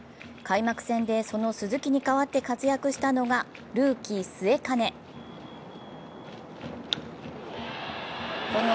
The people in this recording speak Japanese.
開幕戦でその鈴木に代わって活躍したのが、ルーキー・末包。